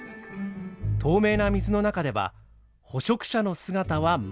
透明な水の中では捕食者の姿は丸見え。